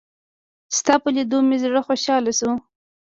ستا په لېدو مې زړه خوشحاله شو.